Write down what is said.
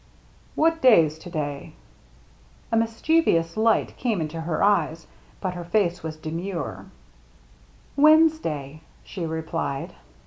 "What day's to day?" A mischievous light came into her eyes. 36 THE MERRY ANNE but her face was demure. " Wednesday," she replied.